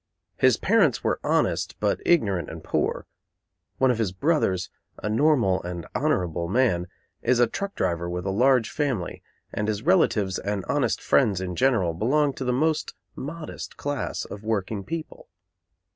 His parents were honest, but ignorant and poor. One of his brothers, a normal and honorable man, is a truck driver with a large family; and his relatives and honest friends in general belong to the most modest class of working people.